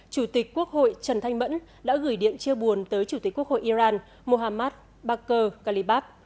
chủ tịch quốc hội trần thanh mẫn đã gửi điện chia buồn tới chủ tịch quốc hội iran muhammad bakr khalibab